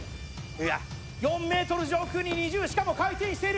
４ｍ上空に２０しかも回転している